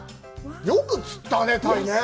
よく釣ったね、鯛ね！